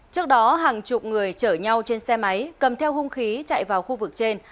trước đó hàng chục người chở nhau trên xe máy cầm theo hung khí chạy vào khu vực trên